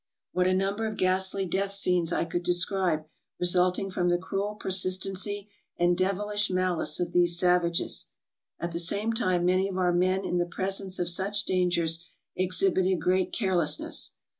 What a number of ghastly death scenes I could describe re sulting from the cruel persistency and devilish malice of these savages. At the same time many of our men in the pres ence of such dangers exhibited great carelessness.